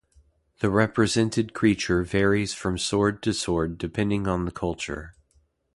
The represented creature varies from sword to sword depending on the culture.